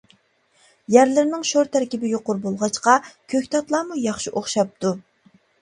يەرلىرىنىڭ شور تەركىبى يۇقىرى بولغاچقا، كۆكتاتلارمۇ ياخشى ئوخشاپتۇ.